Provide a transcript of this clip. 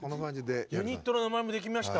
ユニットの名前もできました。